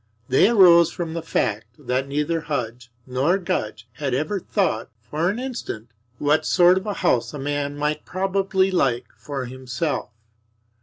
They arose from the fact that neither Hudge nor Gudge had ever thought for an instant what sort of house a man might probably like for himself.